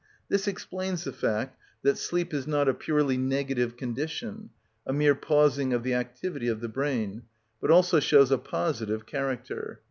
This explains the fact that sleep is not a purely negative condition, a mere pausing of the activity of the brain, but also shows a positive character.